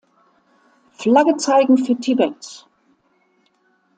Flagge zeigen für Tibet!